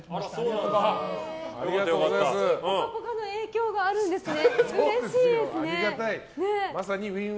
「ぽかぽか」の影響があるんですね。